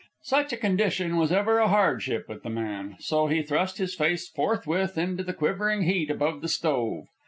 Such a condition was ever a hardship with the man, so he thrust his face forthwith into the quivering heat above the stove.